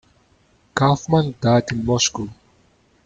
Kaufman died in Moscow.